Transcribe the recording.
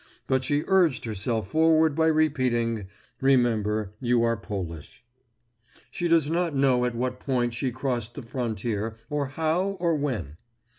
But she urged herself forward by repeating, "Remember, you are Polish." She does not know at what point she crossed the frontier, or how, or when.